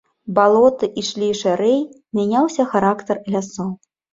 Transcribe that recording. Балоты ішлі шырэй, мяняўся характар лясоў.